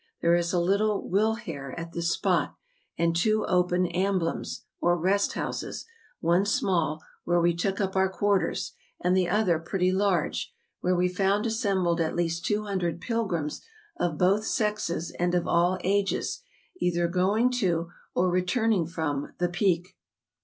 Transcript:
There is a little Wilhare at this spot, and two open amblams, or rest houses, one small, where we took up our quarters, and the other pretty ADAM'S PEAK, CEYLON. 239 large, where we found assembled at least two hun¬ dred pilgrims of both sexes and of all ages, either going to, or returning from, the Peak.